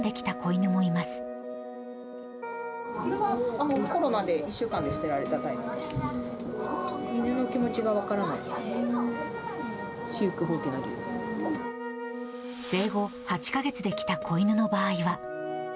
犬の気持ちが分からない、生後８か月で来た子犬の場合は。